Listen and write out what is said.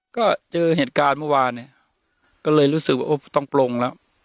ก็เจอเหตุการณ์เมื่อวานเนี่ยก็เลยรู้สึกว่าต้องปลงแล้ว